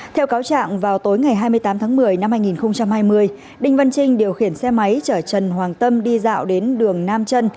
theo cáo trạng vào tối ngày hai mươi tám tháng một mươi năm hai nghìn hai mươi đinh văn trinh điều khiển xe máy chở trần hoàng tâm đi dạo đến đường nam trân